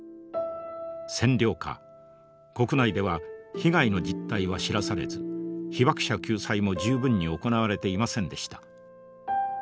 占領下国内では被害の実態は知らされず被爆者救済も十分に行われていませんでした。